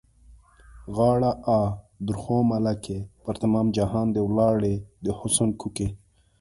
غاړه؛ آ، درخو ملکې! پر تمام جهان دې ولاړې د حُسن کوکې.